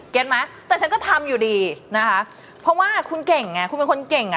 เห็นไหมแต่ฉันก็ทำอยู่ดีนะคะเพราะว่าคุณเก่งไงคุณเป็นคนเก่งอ่ะ